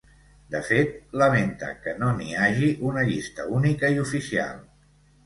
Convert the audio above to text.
De fet, lamenta que no n’hi hagi una llista única i oficial.